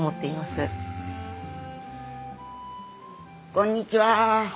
こんにちは。